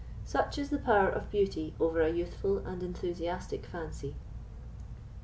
Such is the power of beauty over a youthful and enthusiastic fancy.